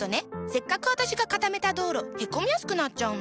せっかく私が固めた道路へこみやすくなっちゃうの。